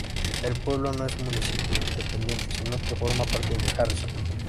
El pueblo no es un municipio independiente, sino que forma parte de Harrison.